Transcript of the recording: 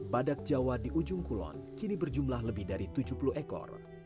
badak jawa di ujung kulon kini berjumlah lebih dari tujuh puluh ekor